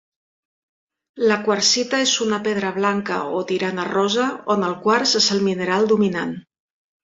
La quarsita és una pedra blanca o tirant a rosa on el quars és el mineral dominant.